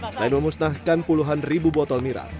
selain memusnahkan puluhan ribu botol miras